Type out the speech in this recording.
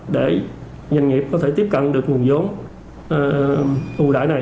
để doanh nghiệp có thể tiếp cận với công tác giải nâng chương trình này